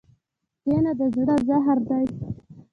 کینه د زړه زهر دی.